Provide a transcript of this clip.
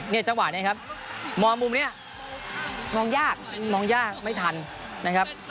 จังหวะนี้ครับมองมุมนี้มองยากมองยากไม่ทันนะครับ